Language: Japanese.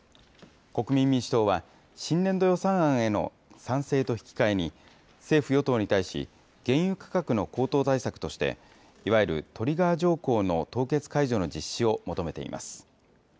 国民民主党は、新年度予算案への賛成と引き換えに、政府・与党に対し、原油価格の高騰対策として、いわゆるトリガー条項の凍結解除の実施を求めています。